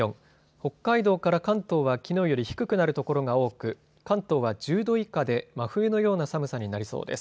北海道から関東はきのうより低くなる所が多く、関東は１０度以下で真冬のような寒さになりそうです。